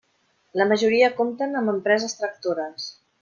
La majoria compten amb empreses tractores.